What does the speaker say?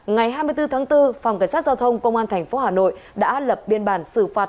ngày hai mươi bốn tháng bốn phòng cảnh sát giao thông công an tp hà nội đã lập biên bản xử phạt